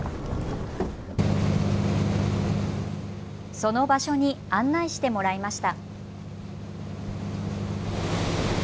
その場所に案内してもらいました。